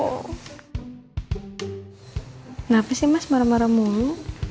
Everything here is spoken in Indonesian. kenapa sih mas marah marah mulu